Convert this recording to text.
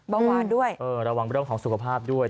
มองวารด้วยระวังเรื่องของสุขภาพด้วย